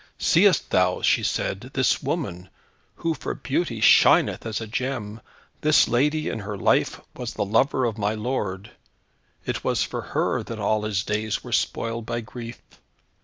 "Seest thou," she said, "this woman, who for beauty shineth as a gem! This lady, in her life, was the lover of my lord. It was for her that all his days were spoiled by grief.